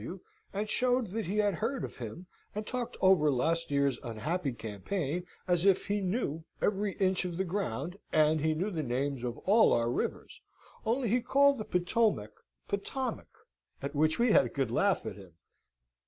G. W., and showed that he had heard of him, and talked over last year's unhappy campane as if he knew every inch of the ground, and he knew the names of all our rivers, only he called the Potowmac Pottamac, at which we had a good laugh at him.